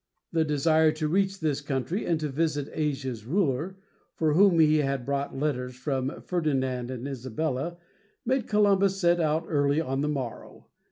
The desire to reach this country and to visit Asia's ruler for whom he had brought letters from Ferdinand and Isabella made Columbus set out early on the morrow.